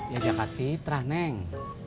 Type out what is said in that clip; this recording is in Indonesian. ya jakat fitrah neng